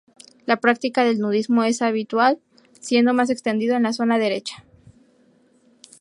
La práctica del nudismo es habitual, siendo más extendido en la zona derecha.